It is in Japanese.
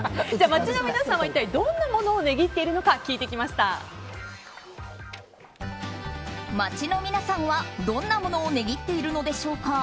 街の皆さんはどんなものを値切っているのか街の皆さんは、どんなものを値切っているのでしょうか。